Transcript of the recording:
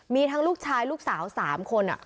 มีทั้งลูกชายลูกสาว๓คน